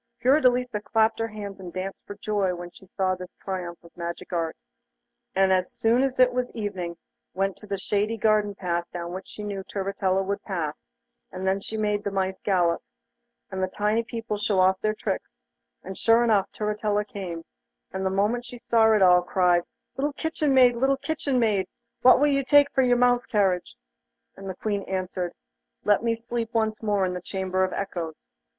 Fiordelisa clapped her hands and danced for joy when she saw this triumph of magic art, and as soon as it was evening, went to a shady garden path down which she knew Turritella would pass, and then she made the mice galop, and the tiny people show off their tricks, and sure enough Turritella came, and the moment she saw it all cried: 'Little kitchen maid, little kitchen maid, what will you take for your mouse carriage?' And the Queen answered: 'Let me sleep once more in the Chamber of Echoes.